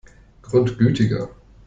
Grundgütiger!